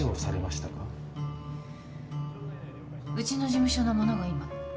うちの事務所の者が今。